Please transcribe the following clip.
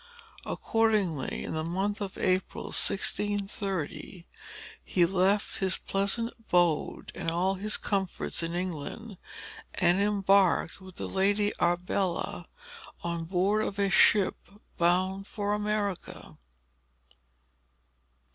Accordingly, in the month of April, 1630, he left his pleasant abode and all his comforts in England, and embarked with the Lady Arbella, on board of a ship bound for America."